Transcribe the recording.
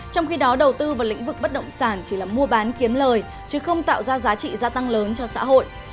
trong khi đó đầu tư vào lĩnh vực bất động sản chỉ là mua bán kiếm lời chứ không tạo ra giá trị gia tăng lớn cho xã hội